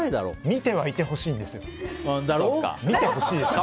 見てはいてほしいんです。